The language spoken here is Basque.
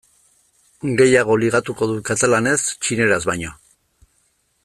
Gehiago ligatuko dut katalanez txineraz baino.